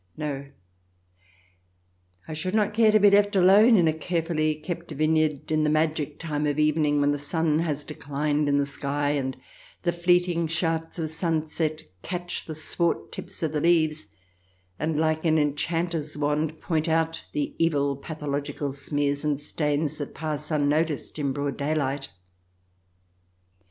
No ; I should not care to be left alone in a carefully kept vine yard in the magic time of evening when the sun has declined in the sky, and the fleeting shafts of sunset catch the swart tips of the leaves, and, like an enchanter's wand, point out the evil pathological smears and stains that pass unnoticed in broad day light.